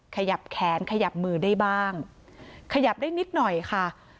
ขยับแขนขยับมือได้บ้างขยับได้นิดหน่อยค่ะ